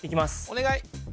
お願い！